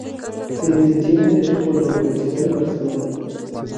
Se licenció en derecho por la Universidad de Barcelona.